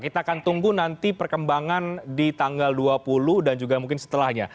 kita akan tunggu nanti perkembangan di tanggal dua puluh dan juga mungkin setelahnya